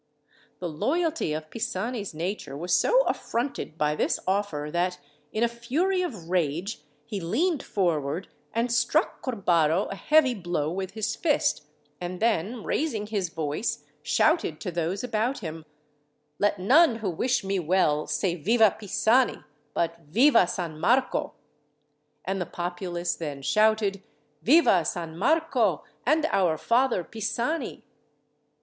The loyalty of Pisani's nature was so affronted by this offer, that, in a fury of rage, he leaned forward and struck Corbaro a heavy blow with his fist, and then raising his voice shouted to those about him: "Let none who wish me well say, 'Viva Pisani!' but, 'Viva San Marco!'" And the populace then shouted, "Viva San Marco and our Father Pisani!"